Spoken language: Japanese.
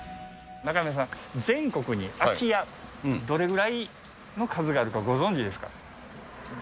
中山さん、全国に空き家、どれぐらいの数があるかご存じですか？